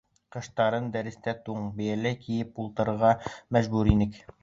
Ҡыштарын дәрестә тун, бейәләй кейеп ултырырға мәжбүр инек.